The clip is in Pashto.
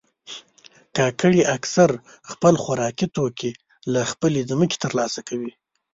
کاکړي اکثره خپل خوراکي توکي له خپلې ځمکې ترلاسه کوي.